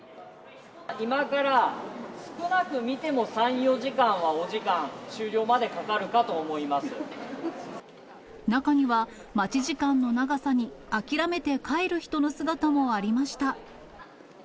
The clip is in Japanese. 今から少なく見ても３、４時間は、お時間、中には、待ち時間の長さに、諦めて帰る人の姿もありました。